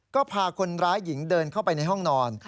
ก็พาคนร้ายหญิงเดินเข้าไปในห้องนอน